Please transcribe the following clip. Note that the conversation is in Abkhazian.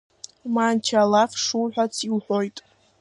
Манча, алаф шуҳәац иуҳәоит.